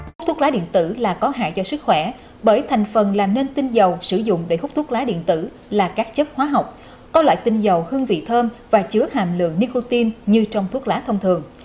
hút thuốc lá điện tử là có hại cho sức khỏe bởi thành phần làm nên tinh dầu sử dụng để hút thuốc lá điện tử là các chất hóa học có loại tinh dầu hương vị thơm và chứa hàm lượng nicotine như trong thuốc lá thông thường